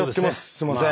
すいません。